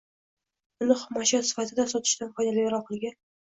uni xom ashyo sifatida sotishdan foydaliroqligi